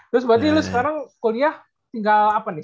terus berarti lu sekarang kuliah tinggal apa nih